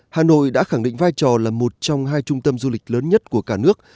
hà nội đã khẳng định vai trò là một trong hai trung tâm du lịch lớn nhất của cả nước